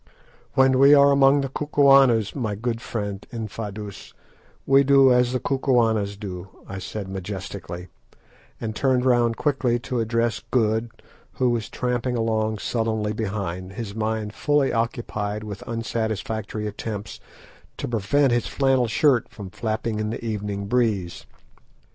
"When we are among the Kukuanas, my good friend Infadoos, we do as the Kukuanas do," I said majestically, and turned round quickly to address Good, who was tramping along sullenly behind, his mind fully occupied with unsatisfactory attempts to prevent his flannel shirt from flapping in the evening breeze.